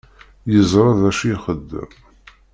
Yeẓṛa dacu i ixeddem.